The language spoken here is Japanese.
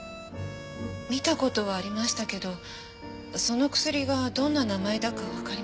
見た事はありましたけどその薬がどんな名前だかわかりません。